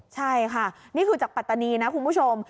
ใช่ค่ะนี่คือจากปัตตานีนะคุณผู้ชม